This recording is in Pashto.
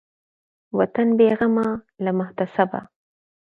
وطن بېغمه له محتسبه